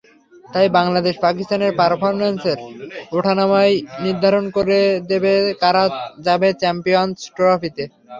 তাই বাংলাদেশ-পাকিস্তানের পারফরম্যান্সের ওঠানামাই নির্ধারণ করে দেবে কারা যাবে চ্যাম্পিয়নস ট্রফিতে।